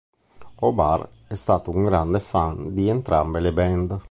O'Barr è stato un grande fan di entrambe le band.